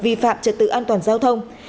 vi phạm trật tự an toàn giao thông